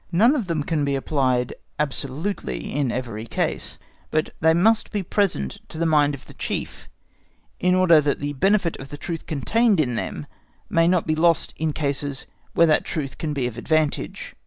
None of them can be applied absolutely in every case, but they must always be present to the mind of the Chief, in order that the benefit of the truth contained in them may not be lost in cases where that truth can be of advantage.